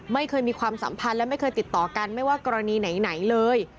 ไม่เคยมีความสัมพันธ์และไม่เคยติดต่อกันไม่ว่ากรณีไหนเลย